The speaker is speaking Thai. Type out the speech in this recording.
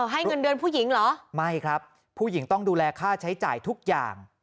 ให้เงินเดือนผู้หญิงเหรอไม่ครับผู้หญิงต้องดูแลค่าใช้จ่ายทุกอย่าง